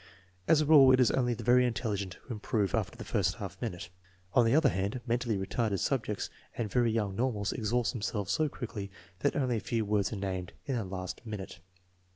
As a rule it is only the very intelligent who improve after the first half minute. On the other hand, mentally retarded subjects and very young normals exhaust themselves so quickly that only a few words are named in the last min ute.